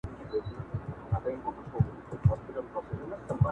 شرمنده سو ته وا ټول عالم پر خاندي٫